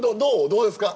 どうですか？